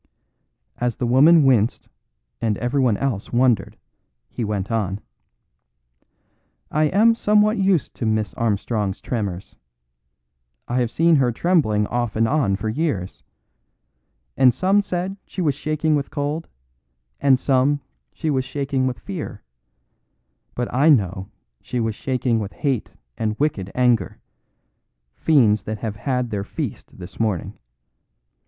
As the woman winced and everyone else wondered, he went on: "I am somewhat used to Miss Armstrong's tremors. I have seen her trembling off and on for years. And some said she was shaking with cold and some she was shaking with fear, but I know she was shaking with hate and wicked anger fiends that have had their feast this morning.